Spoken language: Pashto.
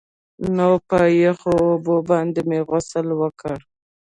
نو په يخو اوبو باندې مې غسل وکړ.